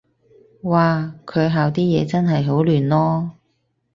嘩，佢校啲嘢真係好亂囉